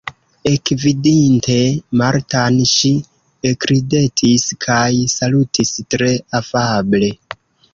Ekvidinte Martan, ŝi ekridetis kaj salutis tre afable.